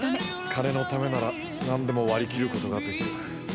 金のためなら何でも割り切ることができる。